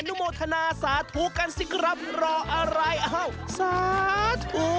นุโมทนาสาธุกันสิครับรออะไรอ้าวสาธุ